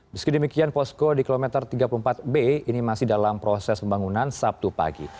meski demikian posko di kilometer tiga puluh empat b ini masih dalam proses pembangunan sabtu pagi